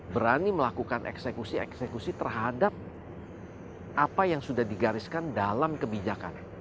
berani melakukan eksekusi eksekusi terhadap apa yang sudah digariskan dalam kebijakan